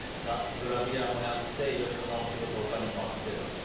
グラビアもやっていろいろお仕事他にもあってだと。